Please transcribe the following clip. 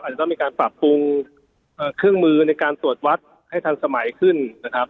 อาจจะต้องมีการปรับปรุงเครื่องมือในการตรวจวัดให้ทันสมัยขึ้นนะครับ